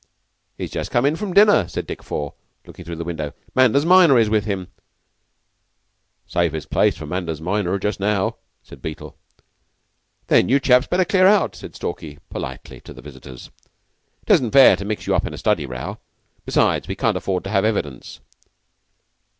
"He's just come in from dinner," said Dick Four, looking through the window. "Manders minor is with him." "'Safest place for Manders minor just now," said Beetle. "Then you chaps had better clear out," said Stalky politely to the visitors. "'Tisn't fair to mix you up in a study row. Besides, we can't afford to have evidence."